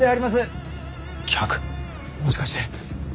もしかして。